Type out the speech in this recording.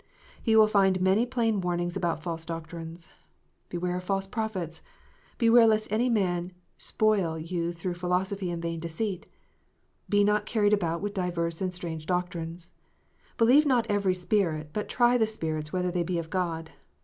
He will find many plain warnings against false doctrine : "Beware of false prophets," "Beware lest any man spoil you through philosophy and vain deceit," " Be not carried about with divers and strange doctrines," " Believe not every spirit, but try the spirits whether they be of God."